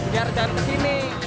biar jangan kesini